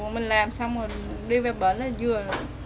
mình làm xong rồi đi về bến là vừa